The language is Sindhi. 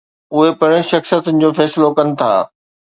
اهي پڻ شخصيتن جو فيصلو ڪن ٿا.